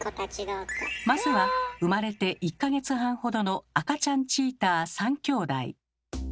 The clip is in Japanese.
まずは生まれて１か月半ほどの赤ちゃんチーター３きょうだい。